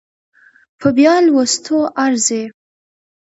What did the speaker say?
په بيا لوستو ارزي